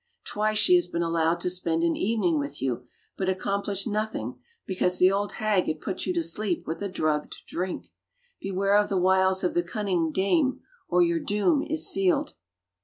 Twice she has been allowed to spend an even ing with you, but accomplished nothing be cause the old hag had put you to sleep with a drugged drink. Beware of the wiles of the cunning dame, or your doom is sealed."